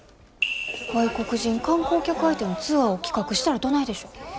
外国人観光客相手のツアーを企画したらどないでしょう？